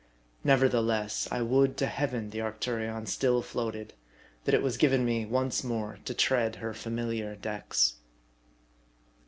Nevertheless, I would to Heaven the Arcturion still floated ; that it was given me once more to tread her familiar decks.